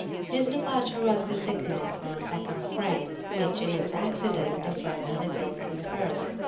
His departure was the signal for a second fray, which in its accidents differed a little from the first.